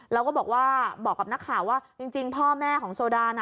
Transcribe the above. แล้วก็บอกว่าบอกกับนักข่าวว่าจริงพ่อแม่ของโซดานะ